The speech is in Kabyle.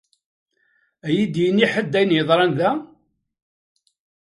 Ad iyi-d-yini ḥedd ayen i yeḍran da?